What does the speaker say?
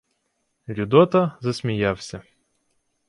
Людота засміявся: